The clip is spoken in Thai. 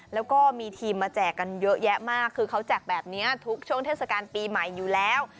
แล้วก็มีทีมมาแจกกันเยอะแยะมากคือเขาแจกแบบนี้ทุกช่วงเทศกาลปีใหม่อยู่แล้ว